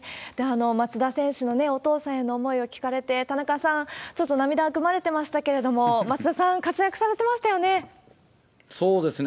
松田選手のお父さんへの思いを聞かれて、田中さん、ちょっと涙ぐまれてましたけれども、松田さん、そうですね。